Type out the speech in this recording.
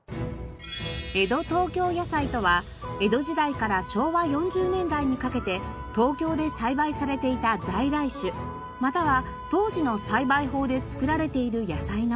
江戸東京野菜とは江戸時代から昭和４０年代にかけて東京で栽培されていた在来種または当時の栽培法で作られている野菜の事。